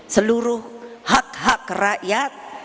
seluruh hak hak rakyat